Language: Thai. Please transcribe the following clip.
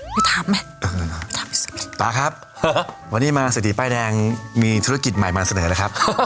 ไม่ถามแม่ต่าครับวันนี้มาสถีป้ายแดงมีธุรกิจใหม่มาเสนอแล้วครับ